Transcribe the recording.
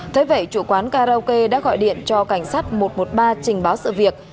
thế vậy chủ quán karaoke đã gọi điện cho cảnh sát một trăm một mươi ba trình báo sự việc